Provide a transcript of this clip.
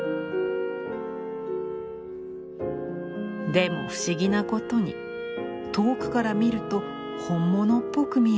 「でも不思議なことに遠くから見ると本物っぽく見えるんだ。